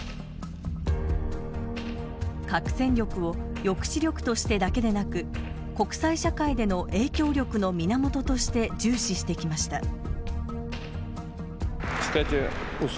核戦力を抑止力としてだけでなく国際社会での影響力の源として重視してきました。